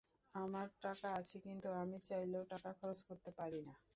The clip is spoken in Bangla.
আমার টাকা আছে, কিন্তু আমি চাইলেও টাকা খরচ করতে পারি না।